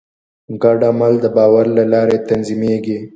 ګډ عمل د باور له لارې تنظیمېږي.